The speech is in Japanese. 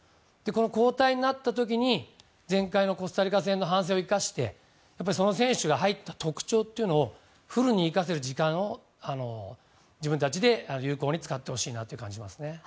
交代になった時に前回のコスタリカ戦の反省を生かしてその選手が入った特徴というのをフルに生かせる時間を自分たちで有効に使ってほしいなと感じますね。